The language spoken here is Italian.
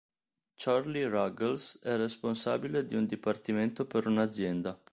Charlie Ruggles è responsabile di un dipartimento per un'azienda.